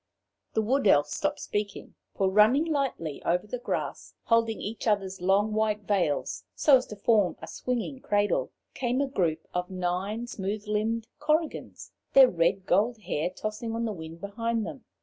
The Wood Elf stopped speaking, for running lightly over the grass, holding each other's long white veils so as to form a swinging cradle, came a group of nine smooth limbed Korrigans, their red gold hair tossing on the wind behind them.